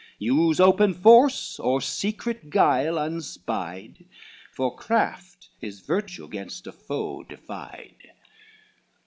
Use open force, or secret guile unspied; For craft is virtue gainst a foe defied.